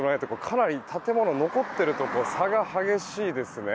かなり建物が残っているところと差が激しいですね。